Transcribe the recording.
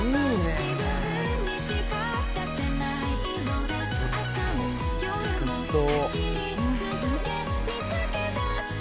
難しそう。